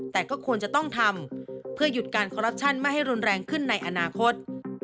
แต่ก็ควรจะต้องทำเพื่อหยุดการคอรัปชั่นไม่ให้รุนแรงขึ้นในอนาคต